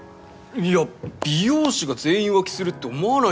いや美容師が全員浮気するって思わないでくださいよ